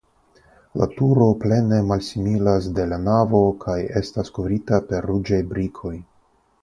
La turo plene malsimilas de la navo kaj estas kovrita per ruĝaj brikoj.